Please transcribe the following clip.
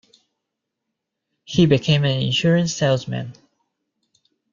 He became an insurance salesman.